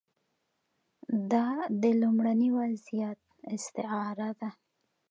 دا د لومړني وضعیت استعاره ده.